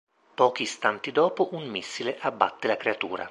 Pochi istanti dopo, un missile abbatte la creatura.